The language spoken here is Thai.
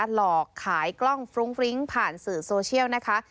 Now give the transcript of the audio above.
หลอกขายกล้องฟรุ้งฟริ้งผ่านสื่อโซเชียลนะคะ